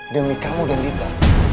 demi kamu dan kita